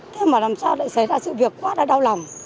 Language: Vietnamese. thế mà làm sao lại xảy ra sự việc quá là đau lòng